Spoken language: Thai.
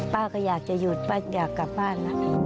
ป้าก็อยากจะหยุดป้าอยากกลับบ้านนะ